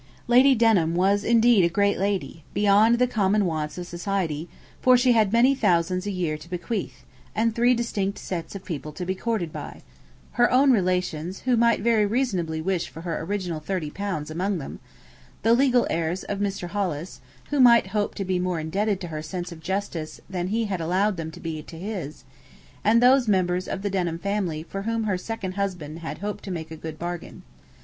'Lady Denham was indeed a great lady, beyond the common wants of society; for she had many thousands a year to bequeath, and three distinct sets of people to be courted by: her own relations, who might very reasonably wish for her original thirty thousand pounds among them; the legal heirs of Mr. Hollis, who might hope to be more indebted to her sense of justice than he had allowed them to be to his; and those members of the Denham family for whom her second husband had hoped to make a good bargain.